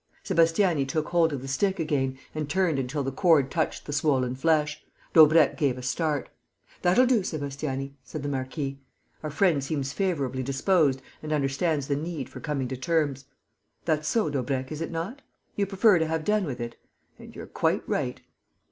Sébastiani took hold of the stick again and turned until the cord touched the swollen flesh. Daubrecq gave a start. "That'll do, Sébastiani," said the marquis. "Our friend seems favourably disposed and understands the need for coming to terms. That's so, Daubrecq, is it not? You prefer to have done with it? And you're quite right!"